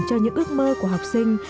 cho những ước mơ của học sinh